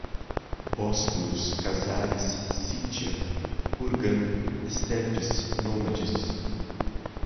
Bósforo, Cazares, Cítia, Kurgan, estepes, nômades